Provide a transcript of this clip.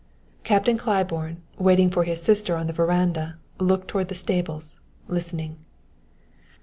Captain Claiborne, waiting for his sister on the veranda, looked toward the stables, listening.